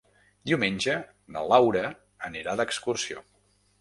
Diumenge na Laura anirà d'excursió.